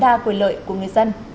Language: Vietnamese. đa quyền lợi của người dân